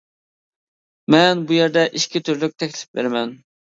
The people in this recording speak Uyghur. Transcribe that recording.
مەن بۇ يەردە ئىككى تۈرلۈك تەكلىپ بېرىمەن.